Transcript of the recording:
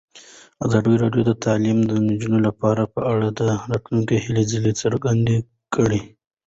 ازادي راډیو د تعلیمات د نجونو لپاره په اړه د راتلونکي هیلې څرګندې کړې.